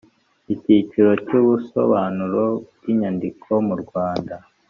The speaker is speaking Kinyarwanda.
icyiciro cyubusobanuro bwinyandiko murwanda